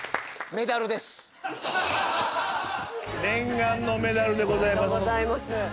念願のメダルでございます。